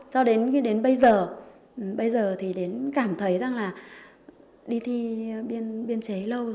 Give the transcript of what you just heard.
do đến bây giờ thì cảm thấy rằng là đi thi biên chế lâu rồi